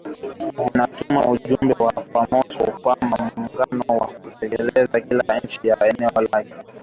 vinatuma ujumbe kwa Moscow kwamba muungano huo utatetea kila nchi ya eneo lake